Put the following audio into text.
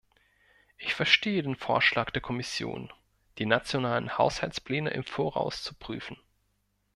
Ich verstehe den Vorschlag der Kommission, die nationalen Haushaltspläne im Voraus zu prüfen.